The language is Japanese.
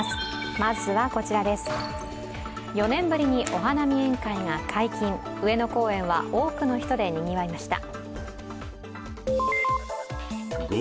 ４年ぶりにお花見宴会が解禁、上野公園は多くの人でにぎわいました。